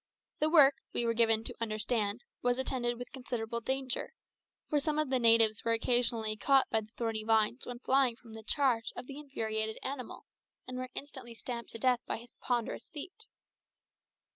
The work, we were given to understand, was attended with considerable danger, for some of the natives were occasionally caught by the thorny vines when flying from the charge of the infuriated animal, and were instantly stamped to death by his ponderous feet.